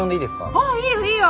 ああいいよいいよ！